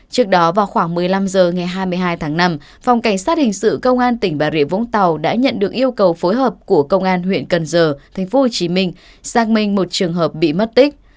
trước đó vào khoảng một mươi năm h ngày hai mươi hai tháng năm phòng cảnh sát hình sự công an tỉnh bà rịa vũng tàu đã nhận được yêu cầu phối hợp của công an huyện cần giơ thành phố hồ chí minh xác minh một trường hợp bị mất tích